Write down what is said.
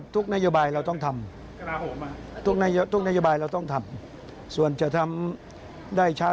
ทหารในกองทัพได้ไหมครับเพราะว่าเขาเป็นห่วงว่าเหมือนกับว่า